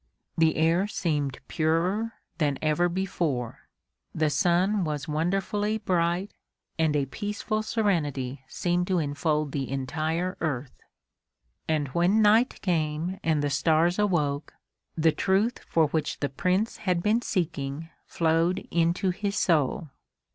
The air seemed purer than ever before, the sun was wonderfully bright and a peaceful serenity seemed to enfold the entire earth. And when night came and the stars awoke, the truth for which the Prince had been seeking flowed into his soul.